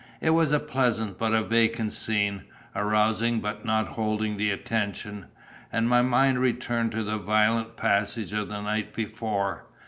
It was a pleasant but a vacant scene, arousing but not holding the attention; and my mind returned to the violent passage of the night before.